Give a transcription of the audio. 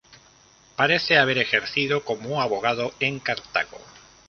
Parece haber ejercido como abogado en Cartago.